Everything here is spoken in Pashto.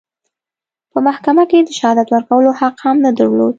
په محکمه کې د شهادت ورکولو حق هم نه درلود.